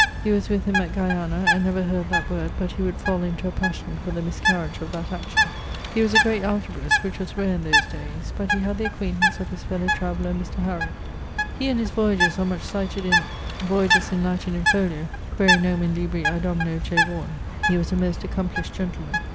He was with him at Guiana, and never heard that word but he would fall into a passion for the miscariage of that action. He was a great algebrist, which was rare in those dayes; but he had the acquaintance of his fellow traveller Mr. Hariot. He and his voyages are much cited in.... Voyages in Latin in folio (quaere nomen libri a domino J. Vaughan). He was a most accomplished gentleman.